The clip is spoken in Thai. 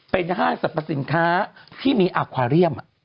เป็นห้านสัตยศพสินค้าที่มีอัควาเลี่ยม